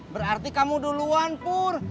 berarti kamu duluan pur